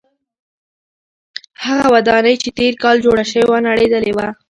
هغه ودانۍ چې تېر کال جوړه شوې وه نړېدلې ده.